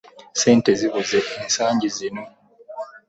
ssente zibuuze ensangi zino.